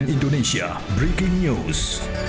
indonesia breaking news